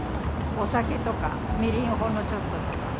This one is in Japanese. お酒とかみりんをほんのちょっととか。